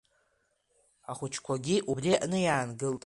Ахәыҷқәагьы убри аҟны иаангылт.